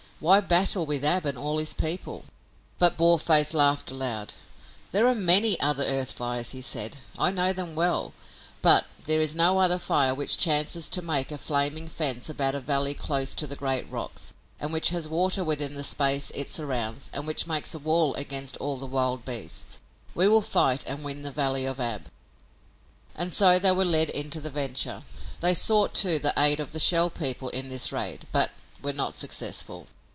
Why battle with Ab and all his people?" But Boarface laughed aloud: "There are many other earth fires," he said. "I know them well, but there is no other fire which chances to make a flaming fence about a valley close to the great rocks, and which has water within the space it surrounds and which makes a wall against all the wild beasts. We will fight and win the valley of Ab." And so they were led into the venture. They sought, too, the aid of the Shell People in this raid, but were not successful.